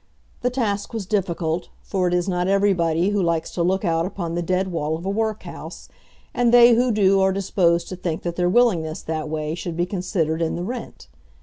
The task was difficult, for it is not everybody who likes to look out upon the dead wall of a workhouse, and they who do are disposed to think that their willingness that way should be considered in the rent.